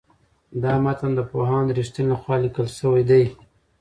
دا متن د پوهاند رښتین لخوا لیکل شوی دی.